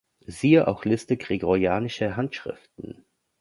Siehe auch Liste gregorianischer Handschriften.